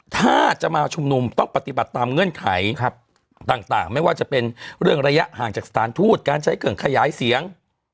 ถ้าจะมาชุมนุมต้องปฏิบัติตามเงื่อนไขต่างไม่ว่าจะเป็นเรื่องระยะห่างจากสถานทูตการใช้เครื่องขยายเสียง